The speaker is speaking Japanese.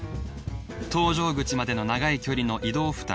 搭乗口までの長い距離の移動負担。